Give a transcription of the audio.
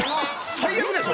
最悪でしょ。